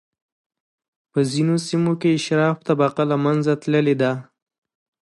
په ځینو سیمو کې اشراف طبقه له منځه تللې ده.